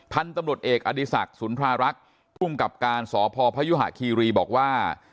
ท่านตำรวจเอกอดิษัทสุนพระรักษ์พุ่มกับการสพคีรีบอกว่า